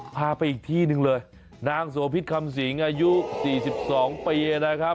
พาไปอีกที่หนึ่งเลยนางโสพิษคำสิงอายุ๔๒ปีนะครับ